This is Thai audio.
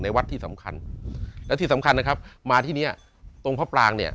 วัดที่สำคัญและที่สำคัญนะครับมาที่เนี้ยตรงพระปรางเนี่ย